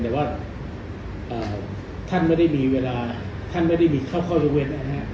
แต่ว่าท่านไม่ได้มีเวลาท่านไม่ได้มีข้อยกเว้นนะฮะ